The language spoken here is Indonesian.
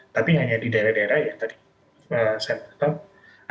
tapi hanya di daerah daerah yang tadi saya katakan